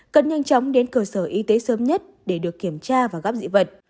cần nhanh chóng đến cơ sở y tế sớm nhất để được kiểm tra và gác dị vật